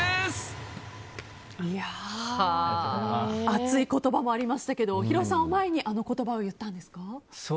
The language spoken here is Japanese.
熱い言葉もありましたけどＨＩＲＯさんを前にあの言葉を言ったんですか？